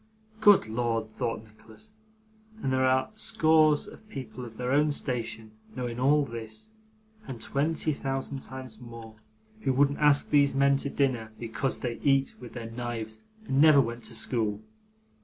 'Good Lord!' thought Nicholas, 'and there are scores of people of their own station, knowing all this, and twenty thousand times more, who wouldn't ask these men to dinner because they eat with their knives and never went to school!